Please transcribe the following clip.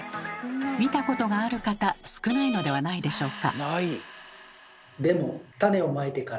見たことがある方少ないのではないでしょうか。